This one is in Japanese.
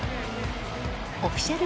オフィシャル